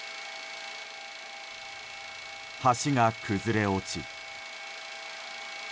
橋が崩れ落ち。